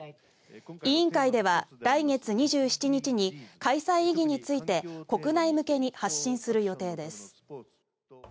委員会では来月２７日に開催意義について国内向けに発信する予定です。